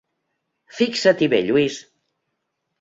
Fixa-t'hi bé, Lluís.